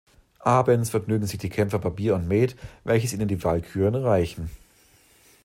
Abends vergnügen sich die Kämpfer bei Bier und Met, welches ihnen die Walküren reichen.